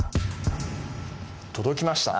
届きました。